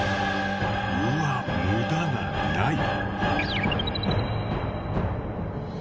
うわっ無駄がない。